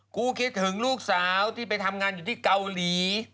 คิดถึงลูกสาวที่ไปทำงานอยู่ที่เกาหลี